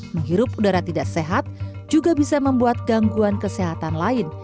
menghirup udara tidak sehat juga bisa membuat gangguan kesehatan lain